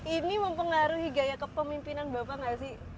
ini mempengaruhi gaya kepemimpinan bapak nggak sih